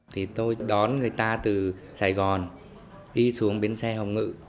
thì tôi đón người ta từ sài gòn đi xuống bến xe hồng ngự